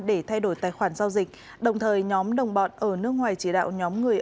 để thay đổi tài khoản giao dịch đồng thời nhóm đồng bọn ở nước ngoài chỉ đạo nhóm người